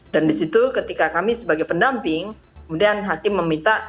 dan di situ ketika kami sebagai pendamping kemudian hakim meminta